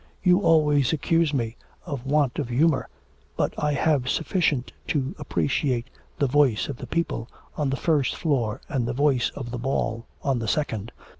You always accuse me of want of humour, but I have sufficient to appreciate The Voice of the People on the first floor and the voice of the ball on the second.'